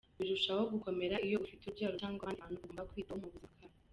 Birushaho gukomera iyo afite urubyaro cyangwa abandi bantu agomba kwitaho mu buzima bwabo.